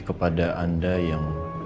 kepada anda yang